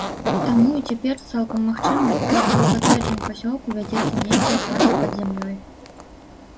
Таму і цяпер цалкам магчыма проста ў катэджным пасёлку вядзецца нейкая праца пад зямлёй.